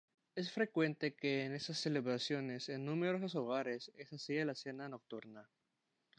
Es frecuente que en esas celebraciones, en numerosos hogares, esa sea la cena nocturna.